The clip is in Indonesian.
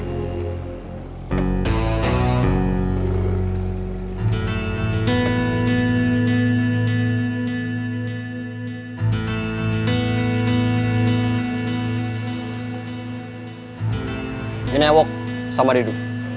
ini ewo sama didu